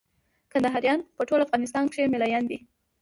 کندهاريان په ټول افغانستان کښي مېله يان دي.